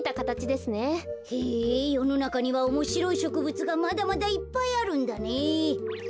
へえよのなかにはおもしろいしょくぶつがまだまだいっぱいあるんだね。